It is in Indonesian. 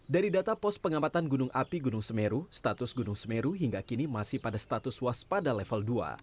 dari data pos pengamatan gunung api gunung semeru status gunung semeru hingga kini masih pada status waspada level dua